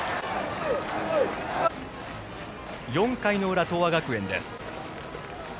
４回の裏、東亜学園です。